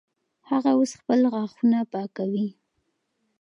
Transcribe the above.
هغه اوس خپل غاښونه پاکوي.